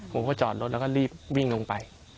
ผมก็จอดรถแล้วก็รีบวิ่งลงไป